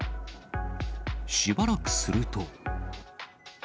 しばらくすると。